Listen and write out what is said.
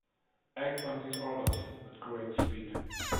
Act on these orders with great speed.